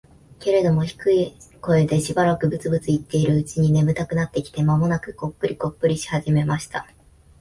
けれども、低い声でしばらくブツブツ言っているうちに、眠たくなってきて、間もなくコックリコックリし始めました。